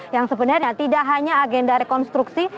yang sebenarnya tidak hanya agenda rekonstruksi